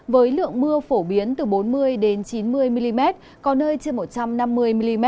với lượng mưa phổ biến từ bốn mươi chín mươi mm có nơi trên một trăm năm mươi mm